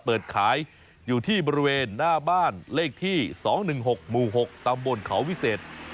เปิดขายอยู่ที่บริเวณหน้าบ้านเลขที่สองหนึ่งหกหมู่หกตามบนเขาวิเศษ